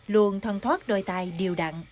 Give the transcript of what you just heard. luôn thân thoát đôi tay điều đặn